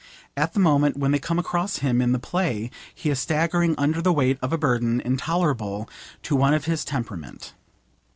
At the moment when they come across him in the play he is staggering under the weight of a burden intolerable to one of his temperament.